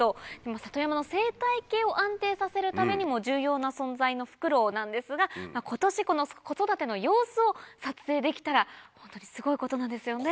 里山の生態系を安定させるためにも重要な存在のフクロウなんですが今年子育ての様子を撮影できたらホントにすごいことなんですよね。